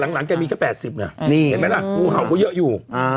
แต่หลังแกมีก็๘๐นะเห็นไหมล่ะโหวเขาเยอะอยู่